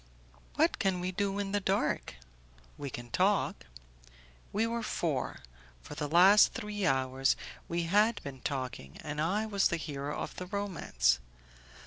"What can we do in the dark?" "We can talk." We were four; for the last three hours we had been talking, and I was the hero of the romance.